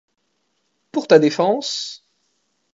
Pour ta défense!